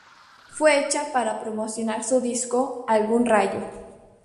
Fue hecha para promocionar su disco Algún rayo.